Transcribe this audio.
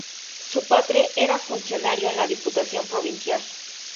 Su padre era funcionario en la Diputación provincial.